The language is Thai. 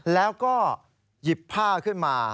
แล้วก็หยิบผ้าขึ้นมา